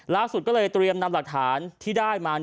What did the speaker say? ล่าสุดก็เลยเตรียมนำหลักฐานที่ได้มา